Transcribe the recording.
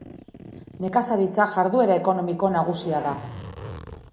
Nekazaritza jarduera ekonomiko nagusia da.